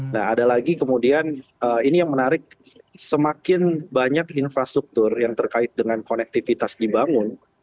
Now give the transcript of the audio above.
nah ada lagi kemudian ini yang menarik semakin banyak infrastruktur yang terkait dengan konektivitas dibangun